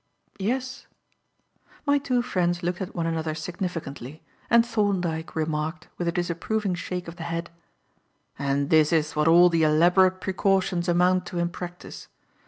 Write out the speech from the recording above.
"Yes." My two friends looked at one another significantly, and Thorndyke remarked, with a disapproving shake of the head: "And this is what all the elaborate precautions amount to in practice.